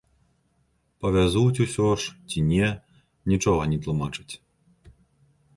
Павязуць усё ж ці не, нічога не тлумачаць.